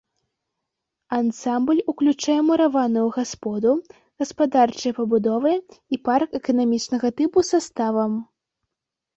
Ансамбль уключае мураваную гасподу, гаспадарчыя пабудовы і парк эканамічнага тыпу са ставам.